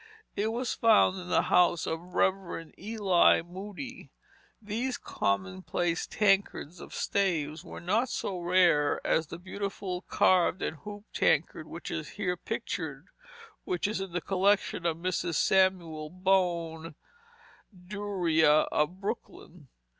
It was found in the house of Rev. Eli Moody. These commonplace tankards of staves were not so rare as the beautiful carved and hooped tankard which is here pictured, and which is in the collection of Mrs. Samuel Bowne Duryea, of Brooklyn.